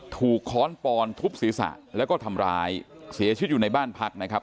ค้อนปอนทุบศีรษะแล้วก็ทำร้ายเสียชีวิตอยู่ในบ้านพักนะครับ